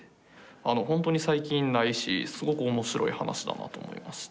あのほんとに最近ないしすごく面白い話だなと思いまして。